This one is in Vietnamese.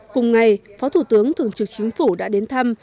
cùng ngày phó thủ tướng thường trực chính phủ đã đến thăm